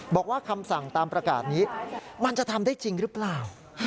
คำสั่งตามประกาศนี้มันจะทำได้จริงหรือเปล่า